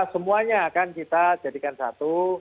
semuanya akan kita jadikan satu